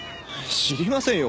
知りませんよ。